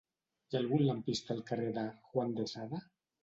Hi ha algun lampista al carrer de Juan de Sada?